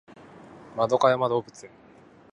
円山動物園